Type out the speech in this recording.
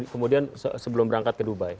kemudian sebelum berangkat ke dubai